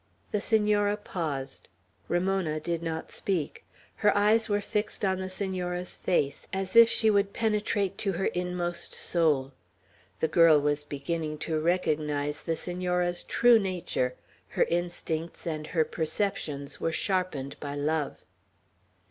The Senora paused. Ramona did not speak. Her eyes were fixed on the Senora's face, as if she would penetrate to her inmost soul; the girl was beginning to recognize the Senora's true nature; her instincts and her perceptions were sharpened by love.